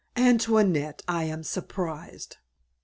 "Antoinette, I am surprised."